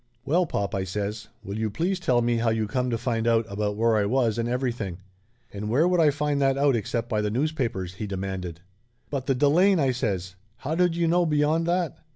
"Well, pop!" I says. "Will you please tell me how you come to find out about where I was, and every thing?" "And where would I find that out except by the newspapers ?" he demanded. "But the Delane !" I says. "How did you know be yond that?"